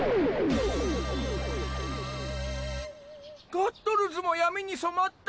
ガットルズも闇に染まった。